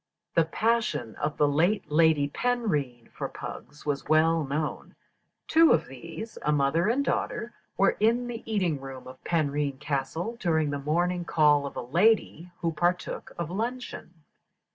The passion of the late Lady Penrhyn for pugs was well known. Two of these, a mother and daughter, were in the eating room of Penrhyn Castle during the morning call of a lady, who partook of luncheon.